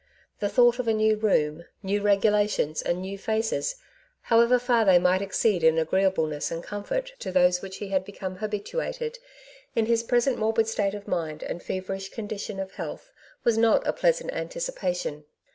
The thought of a new room, new regulations, and new faces, however far they might exceed in agreeabloness and comfort those to which he had become habituated, in his present morbid state of mind and feverish condition of health was not a pleasant anticipation.